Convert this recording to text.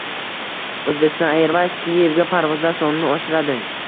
Uzbekistan Airways Kiyevga parvozlar sonini oshiradi